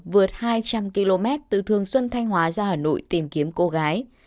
cậu gái được hai trăm linh km từ thường xuân thanh hóa ra hà nội tìm kiếm cô gái